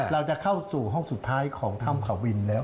เราจะเข้าสู่ห้องสุดท้ายของถ้ำเขาบินแล้ว